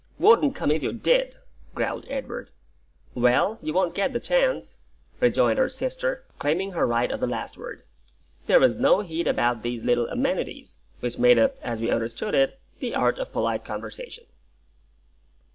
"Wouldn't come if you did," growled Edward. "Well, you won't get the chance," rejoined our sister, claiming her right of the last word. There was no heat about these little amenities, which made up as we understood it the art of polite conversation.